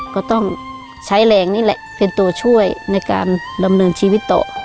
ก็ต้องใช้แรงนี่แหละเป็นตัวช่วยในการดำเนินชีวิตต่อ